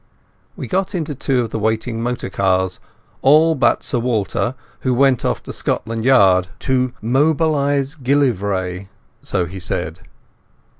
We got into two of the waiting motor cars—all but Sir Walter, who went off to Scotland Yard—to "mobilize MacGillivray", so he said.